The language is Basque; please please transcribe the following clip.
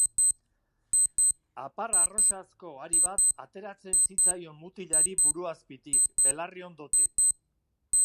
Apar arrosazko hari bat ateratzen zitzaion mutilari buru azpitik, belarri ondotik.